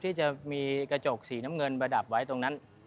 ที่จะมีกระจกสีน้ำเงินประดับไว้ตรงนั้น